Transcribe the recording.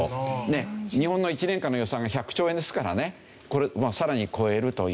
日本の１年間の予算が１００兆円ですからねこれを更に超えるという。